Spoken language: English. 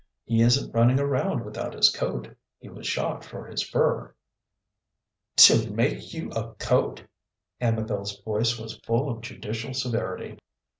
He isn't running around without his coat. He was shot for his fur." "To make you a coat?" Amabel's voice was full of judicial severity.